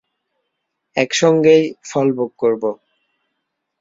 একসঙ্গেই ফল ভোগ করব।